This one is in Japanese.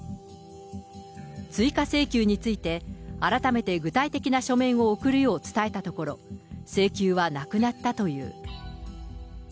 追加請求について、改めて具体的な書面を送るよう伝えたところ、請求はなくなったという。